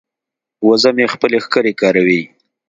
وزه مې خپلې ښکرې کاروي.